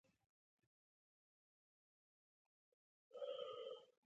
سپېڅلې کړۍ د اصلاحاتو لومړنی قانون ډالۍ کړ.